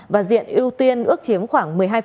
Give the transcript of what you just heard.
và diện ưu tiên ước chiếm khoảng